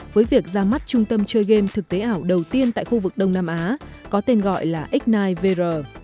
với việc ra mắt trung tâm chơi game thực tế ảo đầu tiên tại khu vực đông nam á có tên gọi là x chín vr